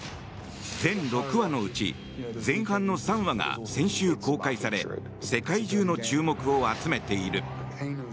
全６話のうち前半の３話が先週公開され世界中の注目を集めている。